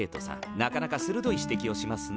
なかなかするどい指摘をしますね。